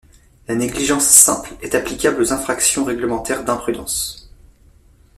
La négligence simple est applicable aux infractions réglementaires d'imprudence.